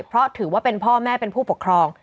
เพราะถือว่าเป็นพ่อแม่เป็นผู้ปกครอง